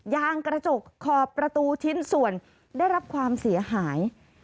ยางกระจกขอบประตูชิ้นส่วนได้รับความเสียหาย